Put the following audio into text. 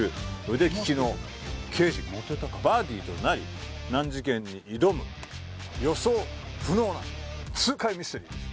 腕利きの刑事がバディとなり難事件に挑む予想不能な痛快ミステリーです